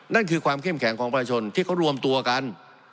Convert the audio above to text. นั่นคือความเข้มแข็งของประชาชนที่เขารวมตัวกัน